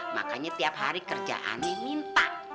makanya tiap hari kerjaannya minta